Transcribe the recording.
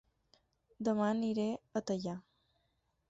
Dema aniré a Teià